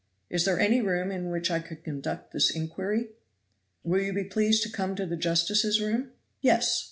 "Is there any room in which I could conduct this inquiry?" "Will you be pleased to come to the justices' room?" "Yes.